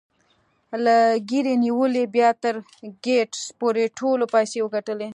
له ګيري نيولې بيا تر ګيټس پورې ټولو پيسې وګټلې.